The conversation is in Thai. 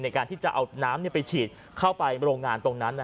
ในการที่จะเอาน้ำไปฉีดเข้าไปโรงงานตรงนั้น